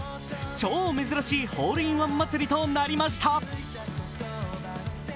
超珍しいホールインワン祭りとなりました。